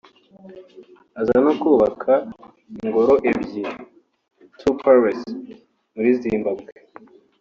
aza no kubaka ingoro ebyiri (two palaces) muri Zimbabwe